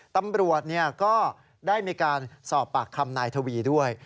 ตำรวจก็ได้มีการสอบปากคำนายทวีด้วย